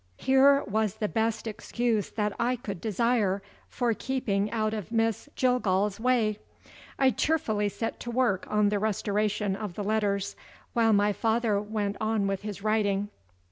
Here was the best excuse that I could desire for keeping out of Miss Jillgall's way. I cheerfully set to work on the restoration of the letters, while my father went on with his writing.